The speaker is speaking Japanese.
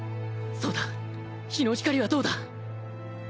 そうだ日の光はどうだ？